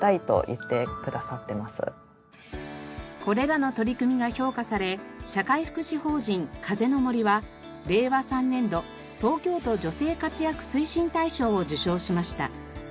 これらの取り組みが評価され社会福祉法人風の森は令和３年度東京都女性活躍推進大賞を受賞しました。